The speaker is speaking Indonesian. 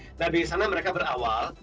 nah di sana mereka berawal